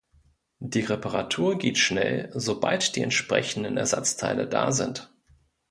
Die Reparatur geht schnell, sobald die entsprechenden Ersatzteile da sind.